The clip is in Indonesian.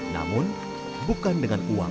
namun bukan dengan uang